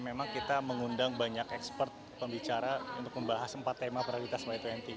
memang kita mengundang banyak expert pembicara untuk membahas empat tema prioritas y dua puluh